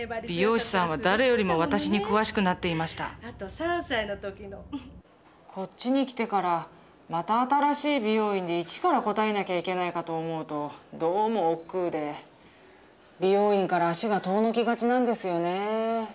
美容師さんは誰よりも私に詳しくなっていましたこっちに来てからまた新しい美容院で一から答えなきゃいけないかと思うとどうも億劫で美容院から足が遠のきがちなんですよね。